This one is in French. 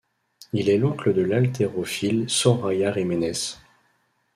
Il est l'oncle de l'haltérophile Soraya Jiménez.